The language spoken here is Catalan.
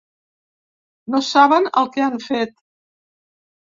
No saben el que han fet.